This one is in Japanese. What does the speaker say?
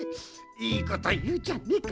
いいこというじゃねえか。